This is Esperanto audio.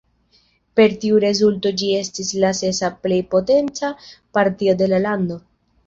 Per tiu rezulto ĝi estis la sesa plej potenca partio de la lando.